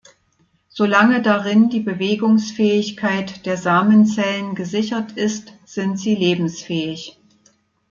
Solange darin die Bewegungsfähigkeit der Samenzellen gesichert ist, sind sie lebensfähig.